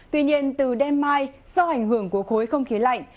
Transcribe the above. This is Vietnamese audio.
tuy nhiên từ đêm mai sau ảnh hưởng của khối không khí lạnh